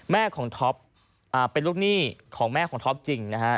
แม่ของท็อปเป็นลูกหนี้ของแม่ของท็อปจริงนะฮะ